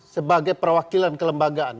sebagai perwakilan kelembagaan